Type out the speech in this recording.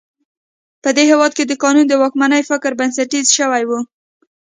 په دې هېواد کې د قانون د واکمنۍ فکر بنسټیزه شوی و.